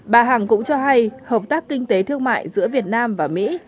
bà hằng cũng cho hay hợp tác kinh tế thương mại giữa việt nam và mỹ